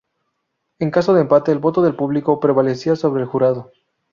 En caso de empate, el voto del público prevalecía sobre el jurado.